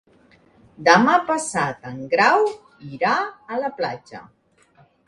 Demà passat en Grau irà a la platja.